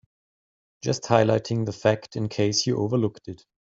Just highlighting that fact in case you overlooked it.